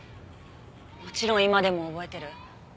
もちろん今でも覚えてる。